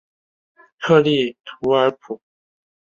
克利图尔普。